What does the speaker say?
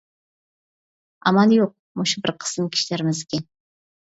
ئامال يوق، مۇشۇ بىر قىسىم كىشىلىرىمىزگە.